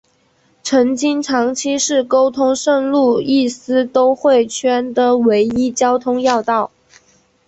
曾经长期是沟通圣路易斯都会圈的唯一的交通要道。